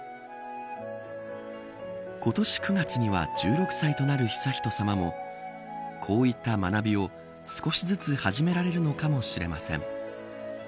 今年９月には１６歳となる悠仁さまもこういった学びを少しずつ始められるのかもしれません。